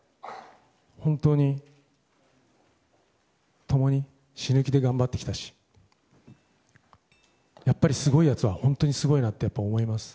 本当に共に死ぬ気で頑張ってきたしやっぱりすごいやつは本当にすごいなと思います。